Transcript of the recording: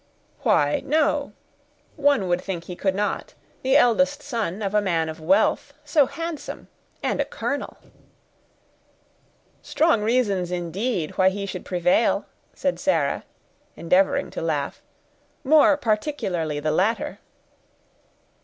"Why, no—one would think he could not; the eldest son of a man of wealth, so handsome, and a colonel." "Strong reasons, indeed, why he should prevail," said Sarah, endeavoring to laugh; "more particularly the latter."